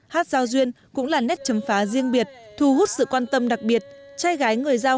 hát giao duyên cũng là nét chấm phá riêng biệt thu hút sự quan tâm đặc biệt trai gái người giao